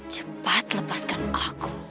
cepat lepaskan aku